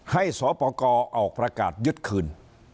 สปกรออกประกาศยึดคืน